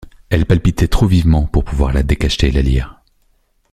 Elle palpitait trop vivement pour pouvoir la décacheter et la lire.